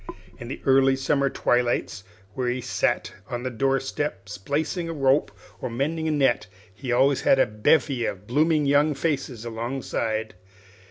In the early summer twilights, when he sat on the door step splicing a rope or mending a net, he always had a bevy of blooming young faces alongside.